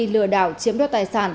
lừa đảo chiếm đoạt tài sản